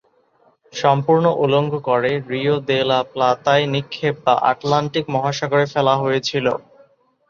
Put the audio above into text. সম্পূর্ণ উলঙ্গ করে রিও দে লা প্লাতায় নিক্ষেপ বা আটলান্টিক মহাসাগরে ফেলা হয়েছিল।